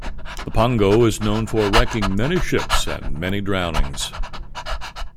The pongo is known for wrecking many ships and many drownings.